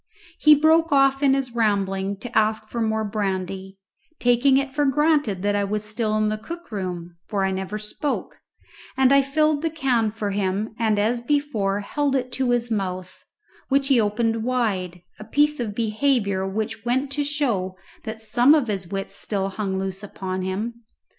He broke off in his rambling to ask for more brandy, taking it for granted that I was still in the cook room, for I never spoke, and I filled a can for him and as before held it to his mouth, which he opened wide, a piece of behaviour which went to show that some of his wits still hung loose upon him.